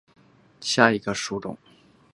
拳参为蓼科春蓼属下的一个种。